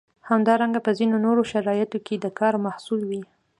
همدارنګه په ځینو نورو شرایطو کې د کار محصول وي.